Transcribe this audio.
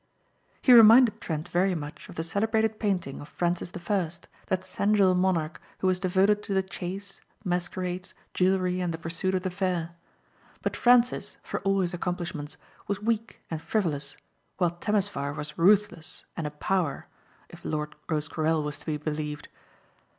He reminded Trent very much of the celebrated painting of Francis the First, that sensual monarch who was devoted to the chase, masquerades, jewelry and the pursuit of the fair. But Francis, for all his accomplishments, was weak and frivolous while Temesvar was ruthless and a power, if Lord Rosecarrel was to be believed.